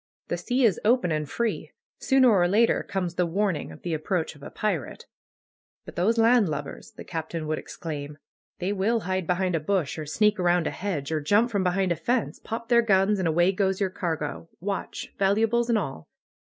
The sea is open and free. Sooner or later comes the warning of the approach of a pirate. THE KNELL OF NAT PAGAN 1^5 ^^But those land lubbers the Captain would ex claim. ^'They will hide behind a bush, or sneak around a hedge, or jump from behind a fence, pop their guns, and away goes your cargo, watch — valuables, and all.